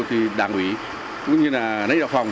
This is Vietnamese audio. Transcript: thì đảng ủy cũng như là lãnh đạo phòng